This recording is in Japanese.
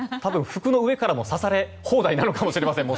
服の上からも刺され放題なのかもしれません。